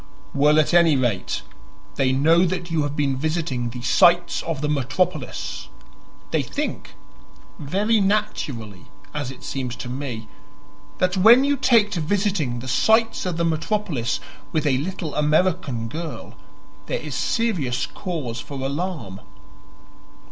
"Well, at any rate, they know that you have been visiting the 'sights of the metropolis.' They think very naturally, as it seems to me that when you take to visiting the sights of the metropolis with a little American girl, there is serious cause for alarm."